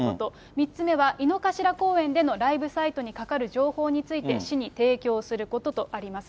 ３つ目は井の頭公園でのライブサイトにかかる情報について、市に提供することとあります。